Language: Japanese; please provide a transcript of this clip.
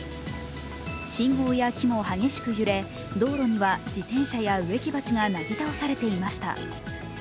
信号や木も激しく揺れ道路には自転車や植木鉢がなぎ倒されていました。